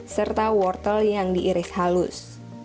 serta wortel yang diiris halus